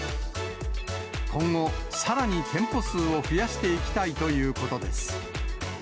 今後、さらに店舗数を増やしていきたいということです。